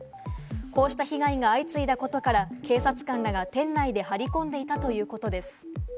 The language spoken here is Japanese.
こうした被害が相次いだことから警察官らが店内で張り込んでいたということです。